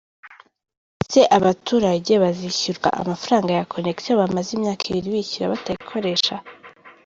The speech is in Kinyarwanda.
Ese abaturage bazishyurwa amafaranga ya connection bamaze imyaka ibiri bishyura batayikoresha?.